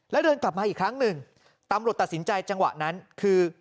แล้วเดินกลับมาอีกครั้งหนึ่งตำรวจตัดสินใจจังหวะนั้นคือ